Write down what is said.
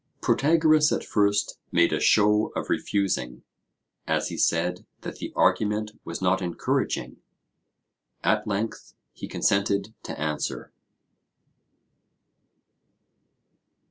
Protagoras at first made a show of refusing, as he said that the argument was not encouraging; at length, he consented to answer.